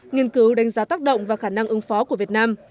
nghiên cứu đánh giá tác động và khả năng ứng phó của việt nam